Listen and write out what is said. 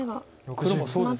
黒もそうです。